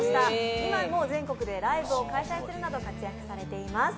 今でも全国でライブを開催するなど活躍されています。